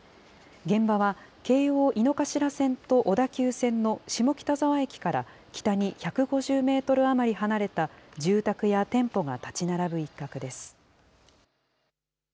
現場は京王井の頭線と小田急線の下北沢駅から北に１５０メートル余り離れた、住宅や店舗が建ち並ぶ一角です。